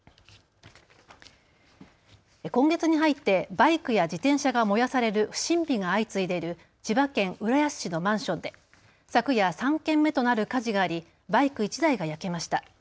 今月に入ってバイクや自転車が燃やされる不審火が相次いでいる千葉県浦安市のマンションで昨夜、３件目となる火事がありバイク１台が焼けました。